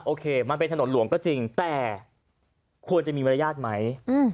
โอเคมันเป็นถนนหลวงก็จริงแต่ควรจะมีมารยาทไหม